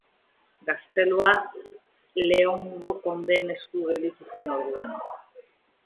Gaztelua Leongo kondeen esku gelditu zen orduan.